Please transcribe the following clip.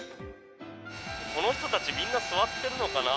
この人たちみんな座っているのかな？